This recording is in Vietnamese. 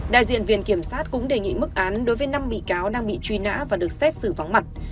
đại diện viện kiểm sát cũng đề nghị mức án đối với năm bị cáo đang bị truy nã và được xét xử vắng mặt